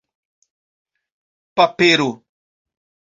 papero